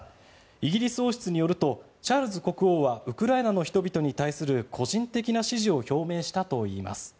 イギリス王室によるとチャールズ国王はウクライナの人々に対する個人的な支持を表明したといいます。